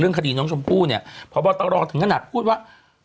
เรื่องคดีน้องชมพู่นี่พอบอตรอถึงขนาดพูดว่า